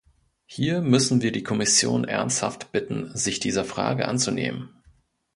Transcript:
Hier müssen wir die Kommission ernsthaft bitten, sich dieser Frage anzunehmen.